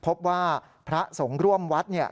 พบว่าพระสงฆ์ร่วมวัดเนี่ย